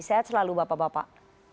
sehat selalu bapak bapak